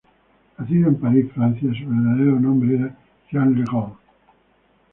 Nacido en París, Francia, su verdadero nombre era Jean Le Gall.